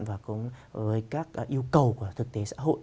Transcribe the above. và cũng với các yêu cầu của thực tế xã hội